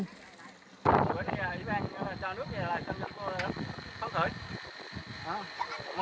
ubnd cho nước này là chăm sóc khó khởi